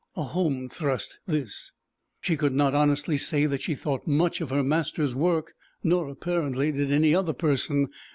A home thrust this. She could not honestly say that she thought much of her master's work. Nor, apparently, did any other person.